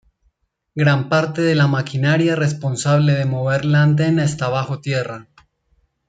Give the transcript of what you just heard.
Gran parte de la maquinaria responsable de mover la antena está bajo tierra.